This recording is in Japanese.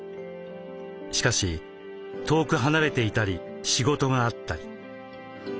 しかし遠く離れていたり仕事があったり。